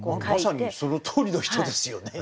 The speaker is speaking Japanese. まさにそのとおりの人ですよね。